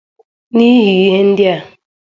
N'ihi ihe ndị a